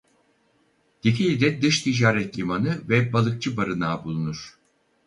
Dikili'de dış ticaret limanı ve balıkçı barınağı bulunur.